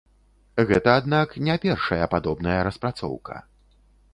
Гэта, аднак, не першая падобная распрацоўка.